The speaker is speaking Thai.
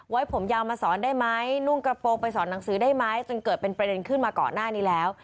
ผมยาวมาสอนได้ไหมนุ่งกระโปรงไปสอนหนังสือได้ไหมจนเกิดเป็นประเด็นขึ้นมาก่อนหน้านี้แล้ว